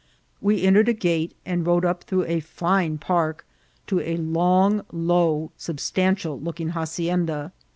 We entered a gate, and rode up through a fine pari: to a long, low, substantial looking hacienda.